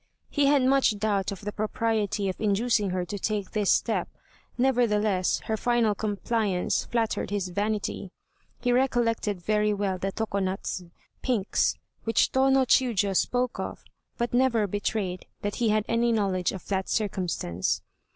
He had much doubt of the propriety of inducing her to take this step, nevertheless her final compliance flattered his vanity. He recollected very well the Tokonatz (Pinks) which Tô no Chiûjiô spoke of, but never betrayed that he had any knowledge of that circumstance.